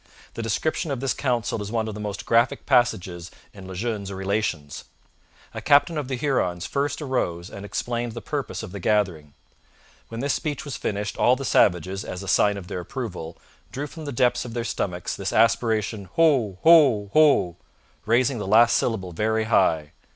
The description of this council is one of the most graphic passages in Le Jeune's Relations. A captain of the Hurons first arose and explained the purpose of the gathering. 'When this speech was finished all the Savages, as a sign of their approval, drew from the depths of their stomachs this aspiration, HO, HO, HO, raising the last syllable very high.'